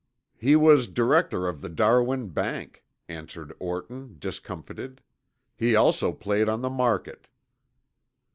"He was director of the Darwin Bank," answered Orton, discomfited. "He also played on the market."